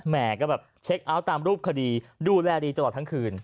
แม่ก็แบบเช็คเอาท์ตามรูปคดีดูแลดีตลอดทั้งคืน